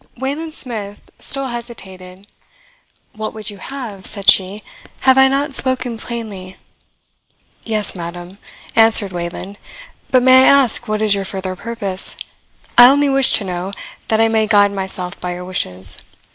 Wayland Smith still hesitated. "What would you have?" said she. "Have I not spoken plainly?" "Yes, madam," answered Wayland; "but may I ask what is your further purpose? I only wish to know, that I may guide myself by your wishes.